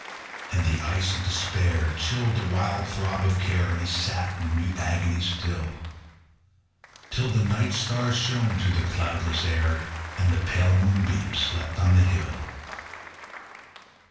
6. And the ice of despair Chilled the wild throb of care, And he sate in mute agony still; Till the night stars shone through the cloudless air, _35 And the pale moonbeam slept on the hill.